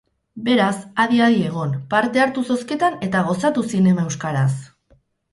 Beraz, adi-adi egon, parte hartu zozketan eta gozatu zinema euskaraz!